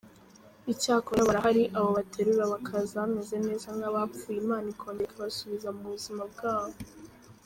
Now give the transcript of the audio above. Icyakora barahari abo baterura bakaza bameze nk’abapfuye Imana ikongera ikabasubiza mu buzima bwabo.